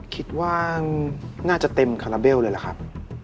คิดว่าน่าจะเต็มคาราเบลเลยล่ะครับ